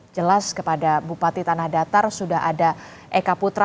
jelas kepada bupati tanah datar sudah ada eka putra